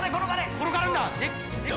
転がるんだ！